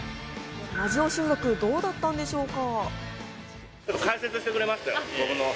ラジオ収録、どうだったんでしょうか。